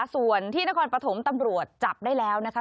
ส่วนที่นครปฐมตำรวจจับได้แล้วนะคะ